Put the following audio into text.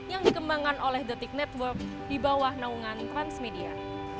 yang dikembangkan oleh thetik network di bawah naungan transmedia